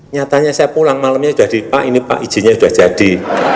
nyatanya saya pulang malamnya jadi pak ini pak izinnya sudah jadi